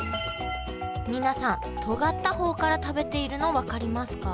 皆さんとがった方から食べているの分かりますか？